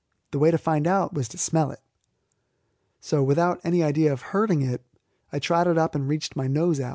The way to find out was to smell it. So, without any idea of hurting it, I trotted up and reached out my nose.